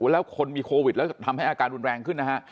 แล้วคนมีโควิดแล้วทำให้อาการรุนแรงขึ้นนะฮะ